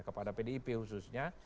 kepada pdip khususnya